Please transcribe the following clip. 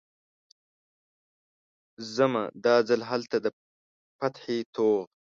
ځمه، دا ځل هلته د فتحې توغ